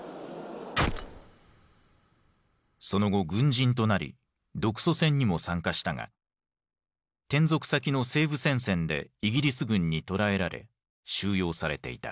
その後軍人となり独ソ戦にも参加したが転属先の西部戦線でイギリス軍に捕らえられ収容されていた。